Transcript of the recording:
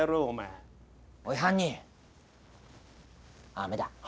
あめだ。